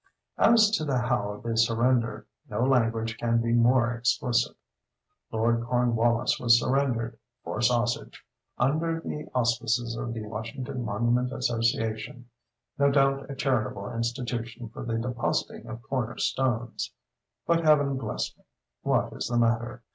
As to the how of the surrender, no language can be more explicit. Lord Cornwallis was surrendered (for sausage) "under the auspices of the Washington Monument Association"—no doubt a charitable institution for the depositing of corner stones.—But, Heaven bless me! what is the matter?